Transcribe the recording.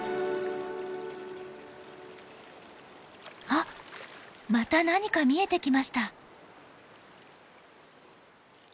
あっまた何か見えてきました。